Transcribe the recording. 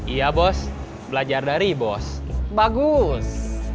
iya bos belajar dari bos bagus